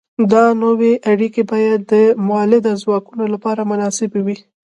دا نوې اړیکې باید د مؤلده ځواکونو لپاره مناسبې وي.